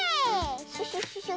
シュシュシュシュ。